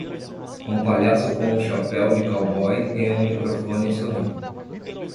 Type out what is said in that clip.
Um palhaço com um chapéu de cowboy e um microfone sorri.